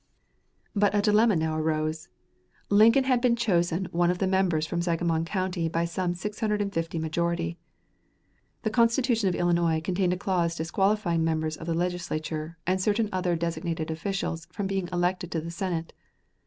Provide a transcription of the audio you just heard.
But a dilemma now arose. Lincoln had been chosen one of the members from Sangamon County by some 650 majority. The Constitution of Illinois contained a clause disqualifying members of the Legislature and certain other designated officials from being elected to the Senate.